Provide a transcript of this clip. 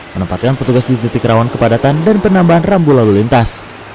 menempatkan petugas di titik rawan kepadatan dan penambahan rambu lalu lintas